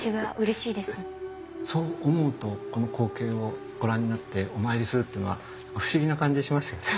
そう思うとこの光景をご覧になってお参りするっていうのは不思議な感じしますよね。